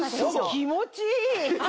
気持ちいい！